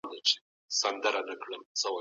ټولنیزو رسنیو کي ښکاره دی.